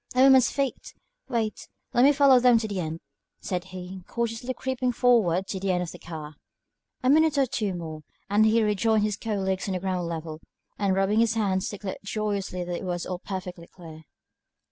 A woman's feet. Wait, let me follow them to the end," said he, cautiously creeping forward to the end of the car. A minute or two more, and he rejoined his colleagues on the ground level, and, rubbing his hands, declared joyously that it was all perfectly clear.